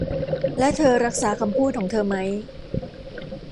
และเธอรักษาคำพูดของเธอมั้ย